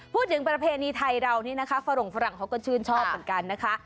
ประเพณีไทยเรานี่นะคะฝรงฝรั่งเขาก็ชื่นชอบเหมือนกันนะคะ